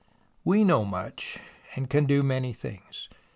We know much, can do many things.